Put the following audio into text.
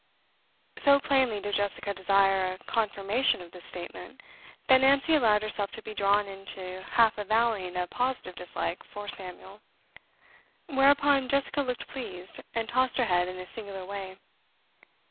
So plainly did Jessica desire a confirmation of this statement, that Nancy allowed herself to be drawn into half avowing a positive dislike for Samuel. Whereupon Jessica looked pleased, and tossed her head in a singular way.